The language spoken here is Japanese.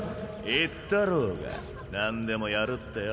言ったろうがなんでもやるってよ。